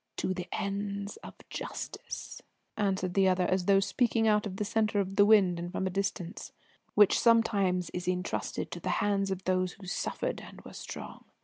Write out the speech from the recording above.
"To the ends of justice," answered the other, as though speaking out of the centre of the wind and from a distance, "which sometimes is entrusted to the hands of those who suffered and were strong.